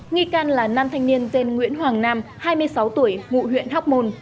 nghi can là nam thanh niên dên nguyễn hoàng nam hai mươi sáu tuổi ngụ huyện hóc môn